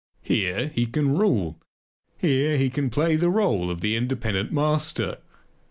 Here he can rule, here he can play the role of the independent master.